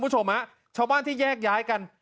ชาวบ้านที่แยกย้ายกัน